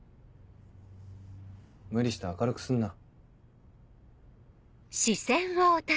無理して明るくすんな。